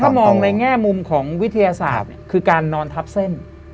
ถ้ามองในแง่มุมของวิทยาศาสตร์คือการนอนทับเส้น